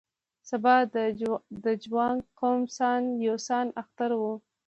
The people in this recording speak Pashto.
سبا د جوانګ قوم سان یو سان اختر و.